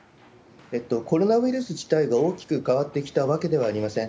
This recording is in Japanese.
コロナウイルス自体が大きく変わってきたわけではありません。